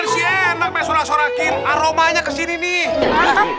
sosoknya enak mesura sorakin aromanya kesini nih